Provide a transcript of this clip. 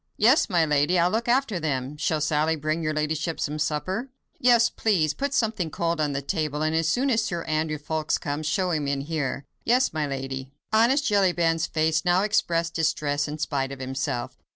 "Yes, my lady; I'll look after them. Shall Sally bring your ladyship some supper?" "Yes, please. Put something cold on the table, and as soon as Sir Andrew Ffoulkes comes, show him in here." "Yes, my lady." Honest Jellyband's face now expressed distress in spite of himself.